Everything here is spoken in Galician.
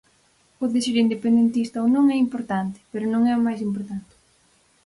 O de ser independentista ou non é importante, pero non é o máis importante.